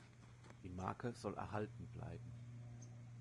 Die Marke soll erhalten bleiben.